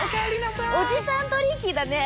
おじさんトリンキーだね。